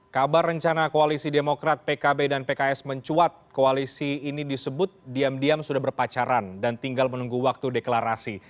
kabar rencana koalisi demokrat pkb dan pks mencuat koalisi ini disebut diam diam sudah berpacaran dan tinggal menunggu waktu deklarasi